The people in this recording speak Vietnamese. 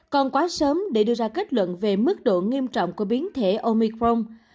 còn quá sớm để đưa ra kết luận về mức độ nghiêm trọng của biến thể omicron